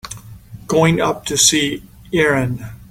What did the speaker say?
Going up to see Erin.